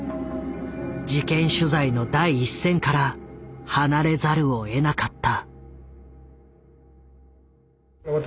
事件取材の第一線から離れざるをえなかった。